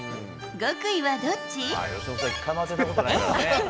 極意はどっち？